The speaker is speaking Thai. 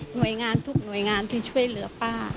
หน่วยงานทุกหน่วยงานที่ช่วยเหลือป้า